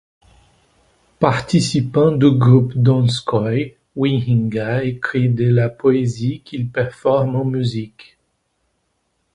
Participant du groupe 'Donskoy', Wieringa écrit de la poésie qu'il performe en musique.